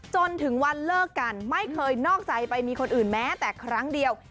จนถึงวันเลิกกันไม่เคยนอกใจไปมีคนอื่นแม้แต่ครั้งเดียว